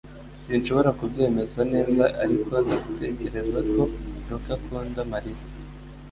Sinshobora kubyemeza neza ariko ndatekereza ko Luka akunda Mariya